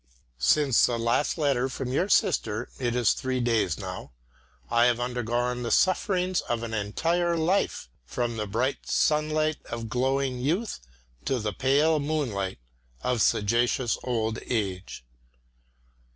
Since the last letter from your sister it is three days now I have undergone the sufferings of an entire life, from the bright sunlight of glowing youth to the pale moonlight of sagacious old age.